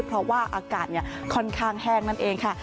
เพราะว่าอากาศค่อนข้างแห้งนั่นเองค่ะ